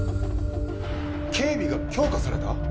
警備が強化された？